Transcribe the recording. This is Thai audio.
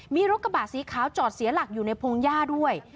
มีรถกระบะสีขาวจอดเสียหลักอยู่ในพงหญ้าด้วย